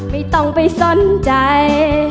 ไม่ต้องไปสนใจ